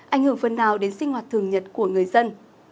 ảnh hưởng phần nào đến sinh hoạt thường nhật của người dân